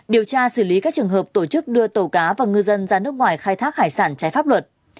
điều tra xử lý các trường hợp tổ chức đưa tàu cá và ngư dân ra nước ngoài khai thác hải sản trái pháp luật